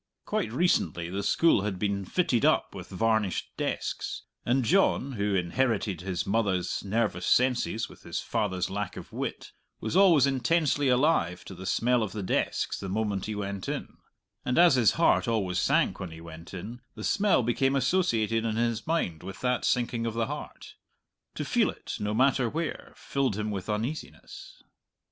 Quite recently the school had been fitted up with varnished desks, and John, who inherited his mother's nervous senses with his father's lack of wit, was always intensely alive to the smell of the desks the moment he went in; and as his heart always sank when he went in, the smell became associated in his mind with that sinking of the heart to feel it, no matter where, filled him with uneasiness.